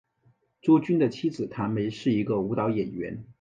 朱军的妻子谭梅是一个舞蹈演员。